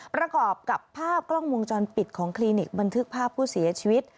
ประกอบกับภาพกล้องวงจรปิดของคลินิกบันทึกภาพผู้เสียชีวิต